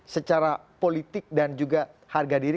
secara politik dan juga harga diri